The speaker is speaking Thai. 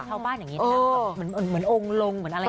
ชาวบ้านอย่างนี้นะเหมือนองค์ลงเหมือนอะไร